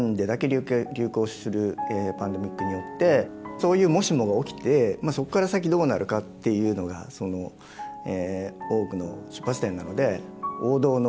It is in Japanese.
そういう「もしも」が起きてそこから先どうなるかっていうのがその「大奥」の出発点なので。